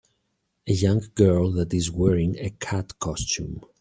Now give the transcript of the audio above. a young girl that is wearing a cat costume.